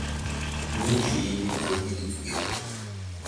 Нынче я ездил мирить их.